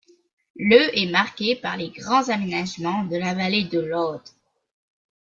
Le est marqué par les grands aménagements de la vallée de l'Aude.